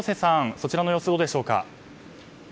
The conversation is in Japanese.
そちらの様子はどうでしょうか。